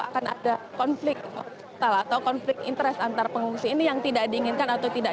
akan ada konflik atau konflik interest antar pengungsi ini yang tidak diinginkan atau tidak